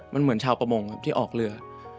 มันเหมือนชาวประมงครับที่ออกเรือ